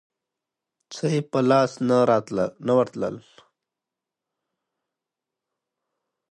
څه یې په لاس نه ورتلل.